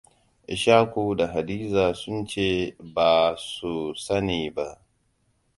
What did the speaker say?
Ishaku da Hadiza sun ce ba su sani ba.